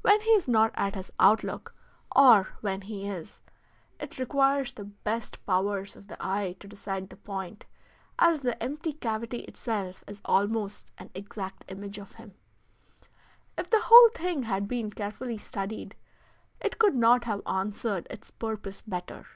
When he is not at his outlook, or when he is, it requires the best powers of the eye to decide the point, as the empty cavity itself is almost an exact image of him. If the whole thing had been carefully studied it could not have answered its purpose better.